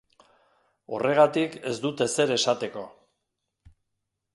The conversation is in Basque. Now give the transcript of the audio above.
Horregatik ez dut ezer esateko.